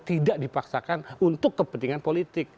tidak dipaksakan untuk kepentingan politik